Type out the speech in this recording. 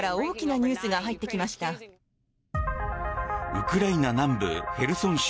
ウクライナ南部ヘルソン州